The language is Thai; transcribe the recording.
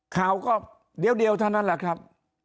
ข่าวก็เดียวเท่านั้นแล้วกับ